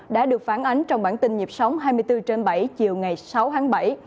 đã được phán ánh trong bản tin nhịp sóng hai mươi bốn trên bảy chiều ngày sáu tháng bảy